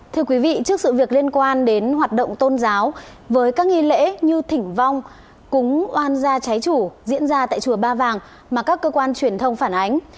thưa quý vị trước sự việc liên quan đến hoạt động tôn giáo với các nghi lễ như thỉnh vong cúng oan gia trái chủ diễn ra tại chùa ba vàng mà các cơ quan truyền thông phản ánh